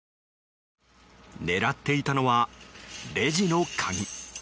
狙っていたのはレジの鍵。